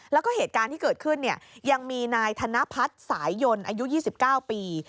แล้วก็เหตุการณ์ที่เกิดขึ้นยังมีนายธนพัฒน์สายยนต์อายุ๒๙ปี